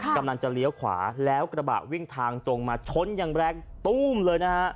กำลังจะเลี้ยวขวาแล้วกระบะวิ่งทางตรงมาชนอย่างแรงตู้มเลยนะฮะ